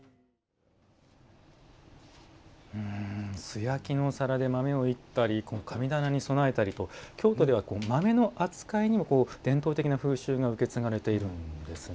素焼きのお皿で豆を煎ったり神棚に供えたりと京都では豆の扱いにも伝統的な風習が受け継がれているんですね。